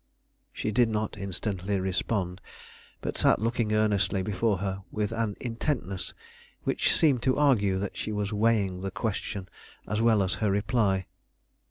She did not instantly respond, but sat looking earnestly before her with an intentness which seemed to argue that she was weighing the question as well as her reply.